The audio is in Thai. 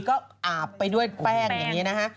ก็อาบไปด้วยแป้งอย่างนี้นะฮะ